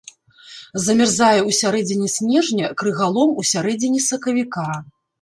Замярзае ў сярэдзіне снежня, крыгалом у сярэдзіне сакавіка.